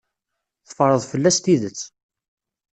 Teffreḍ fell-as tidet.